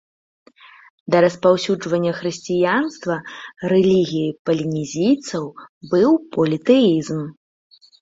Да распаўсюджвання хрысціянства рэлігіяй палінезійцаў быў політэізм.